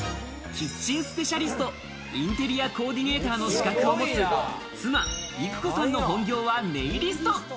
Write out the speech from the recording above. キッチンスペシャリスト、インテリアコーディネーターの資格を持つ妻・郁子さんの本業はネイリスト。